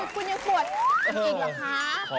คุณยังปวดจริงเหรอคะ